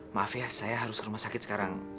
maaf ya saya harus rumah sakit sekarang